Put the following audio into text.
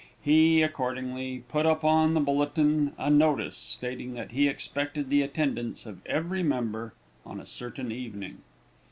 He, accordingly, put up on the bulletin a notice, stating that he expected the attendance of every member on a certain evening.